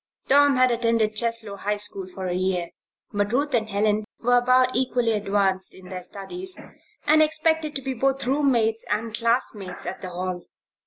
Tom had attended Cheslow High School for a year; but Ruth and Helen were about equally advanced in their studies and expected to be both roommates and classmates at the Hall.